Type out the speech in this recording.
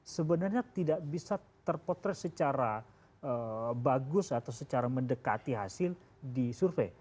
sebenarnya tidak bisa terpotret secara bagus atau secara mendekati hasil di survei